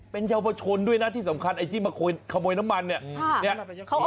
เป็นเยาวชนด้วยนะที่สำคัญไอ้ที่มาขโมยน้ำมันเนี่ย